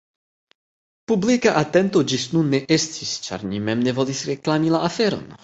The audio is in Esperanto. Publika atento ĝis nun ne estis, ĉar ni mem ne volis reklami la aferon.